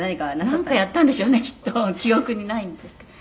「何かやったんでしょうねきっと記憶にないんですけど」